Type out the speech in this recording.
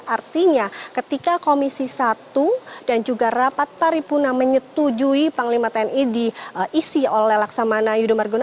artinya ketika komisi satu dan juga rapat paripurna menyetujui panglima tni diisi oleh laksamana yudho margono